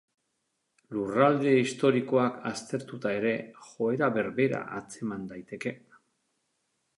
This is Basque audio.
Lurralde historikoak aztertuta ere, joera berbera atzeman daiteke.